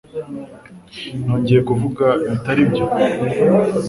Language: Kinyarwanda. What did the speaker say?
Nongeye kuvuga ibitari byo?